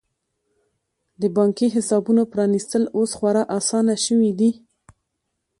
د بانکي حسابونو پرانیستل اوس خورا اسانه شوي دي.